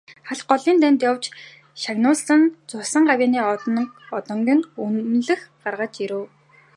Халх голын дайнд явж шагнуулсан цусан гавьяаны одонгийн нь үнэмлэх гарч ирэв.